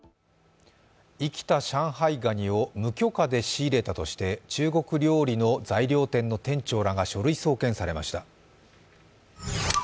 生きた上海ガニを無許可で仕入れたとして中国料理の材料店の店長らが書類送検されました。